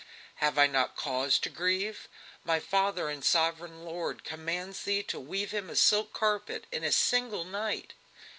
"Have I not cause to grieve? My father and sovereign lord commands thee to weave him a silk carpet in a single night!"